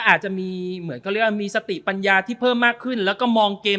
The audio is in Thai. อาจจะมีเหมือนเขาเรียกว่ามีสติปัญญาที่เพิ่มมากขึ้นแล้วก็มองเกม